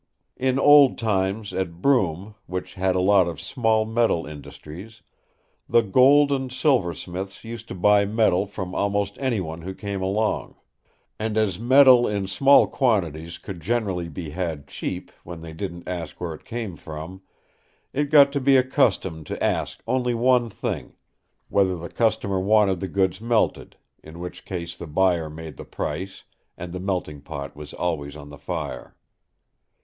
In old times at Brum, which had a lot of small metal industries, the gold and silver smiths used to buy metal from almost anyone who came along. And as metal in small quantities could generally be had cheap when they didn't ask where it came from, it got to be a custom to ask only one thing—whether the customer wanted the goods melted, in which case the buyer made the price, and the melting pot was always on the fire.